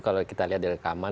kalau kita lihat di rekaman